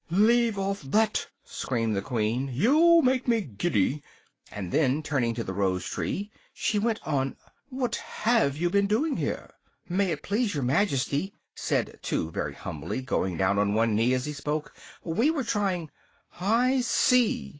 "Leave off that!" screamed the Queen, "you make me giddy." And then, turning to the rose tree, she went on "what have you been doing here?" "May it please your Majesty," said Two very humbly, going down on one knee as he spoke, "we were trying " "I see!"